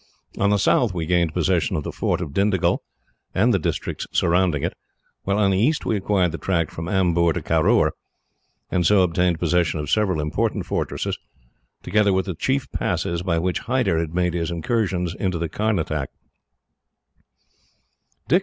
On the south we gained possession of the fort of Dindegul, and the districts surrounding it; while on the east we acquired the tract from Amboor to Caroor, and so obtained possession of several important fortresses, together with the chief passes by which Hyder had made his incursions into the Carnatic.